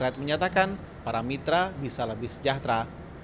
rakyat menyatakan para mitra bisa lebih sejahtera